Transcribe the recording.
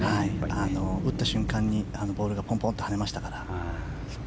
打った瞬間にボールがポンポンと跳ねましたから。